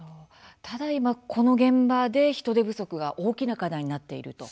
ただ今この現場で人手不足が大きな課題になっていると。